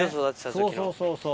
そうそうそうそう。